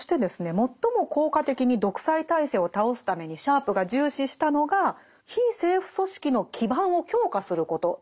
最も効果的に独裁体制を倒すためにシャープが重視したのが非政府組織の基盤を強化することなんですね。